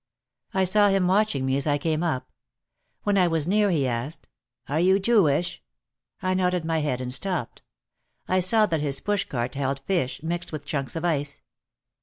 I saw him watching me as I came up. When I was near he asked, "Are you Jewish?" I nodded my head and stopped. I saw that his push cart held fish, mixed with chunks of ice.